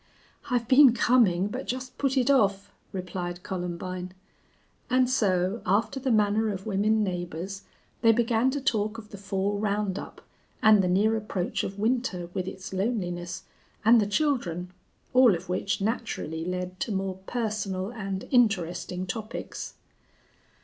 "I've been coming, but just put it off," replied Columbine. And so, after the manner of women neighbors, they began to talk of the fall round up, and the near approach of winter with its loneliness, and the children, all of which naturally led to more personal and interesting topics.